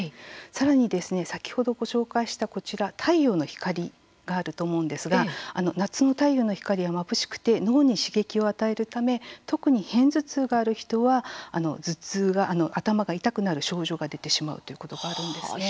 さらにですね、先ほどご紹介した太陽の光があると思うんですが夏の太陽の光はまぶしくて脳に刺激を与えるため特に片頭痛がある人は、頭痛が頭が痛くなる症状が出てしまうということがあるんですね。